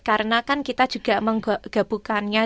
karena kan kita juga menggabukannya